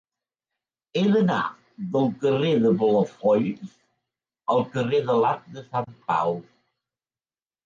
He d'anar del carrer de Palafolls al carrer de l'Arc de Sant Pau.